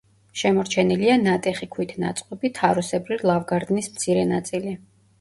შემორჩენილია ნატეხი ქვით ნაწყობი თაროსებრი ლავგარდნის მცირე ნაწილი.